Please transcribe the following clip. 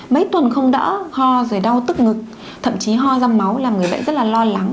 mấy tuần không đỡ ho rồi đau tức ngực thậm chí ho ra máu làm người bệnh rất là lo lắng